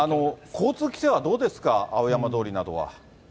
交通規制はどうですか、青山通りなどは。